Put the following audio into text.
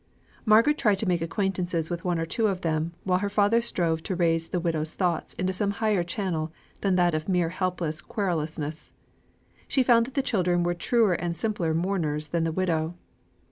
Margaret tried to make acquaintances with one or two of them, while her father strove to raise the widow's thoughts into some higher channel than that of mere helpless querulousness. She found that the children were truer and simpler mourners than the widow.